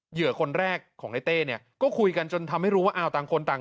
เหยื่อคนแรกของในเต้เนี่ยก็คุยกันจนทำให้รู้ว่าอ้าวต่างคนต่าง